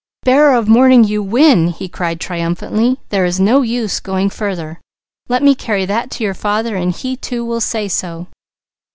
"'Bearer of Morning,' you win!" he cried triumphantly. "There is no use going farther. Let me carry that to your father, and he too will say so."